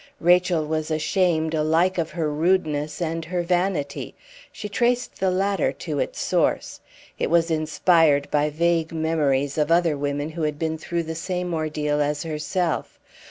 Rachel was ashamed alike of her rudeness and her vanity; the latter she traced to its source. It was inspired by vague memories of other women who had been through the same ordeal as herself.